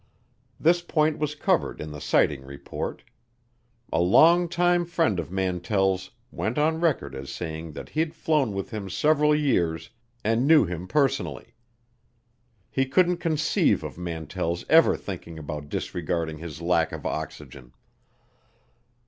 This point was covered in the sighting report. A long time friend of Mantell's went on record as saying that he'd flown with him several years and knew him personally. He couldn't conceive of Mantell's even thinking about disregarding his lack of oxygen.